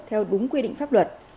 theo đúng quy định pháp luật